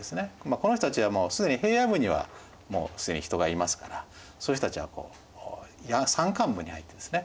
この人たちはもう既に平野部にはもう既に人がいますからそういう人たちは山間部に入ってですね